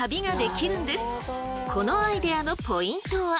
このアイデアのポイントは。